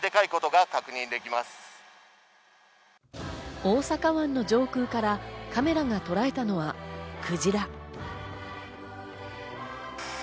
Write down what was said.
大阪湾の上空からカメラがとらえたのはクジラ。